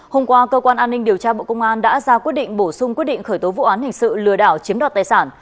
hôm qua cơ quan an ninh điều tra bộ công an đã ra quyết định bổ sung quyết định khởi tố vụ án hình sự lừa đảo chiếm đoạt tài sản